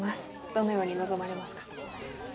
どのように臨まれますか？